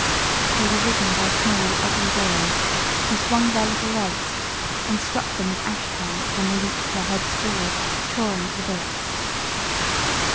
They were ridden by small, ugly boys, who swung their little legs, and struck them with ash plants when they reached their heads forward chawing at the bits.